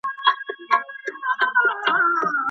عملي کار د تیوري په پرتله اغیزمن دی.